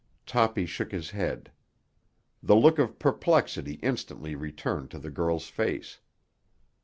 Toppy shook his head. The look of perplexity instantly returned to the girl's face.